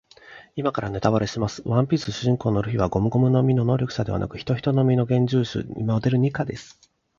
今からネタバレします。ワンピース主人公のルフィはゴムゴムの実の能力者ではなく、ヒトヒトの実幻獣種モデルニカです。